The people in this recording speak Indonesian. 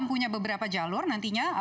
punya beberapa jalur nantinya